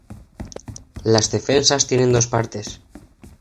Las defensas tienen dos partes.